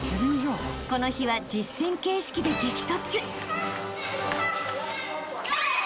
［この日は実戦形式で激突］